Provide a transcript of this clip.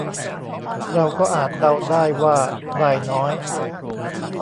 เราก็อาจเดาได้ว่าได้น้อย